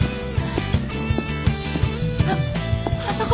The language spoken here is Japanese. あっあそこ！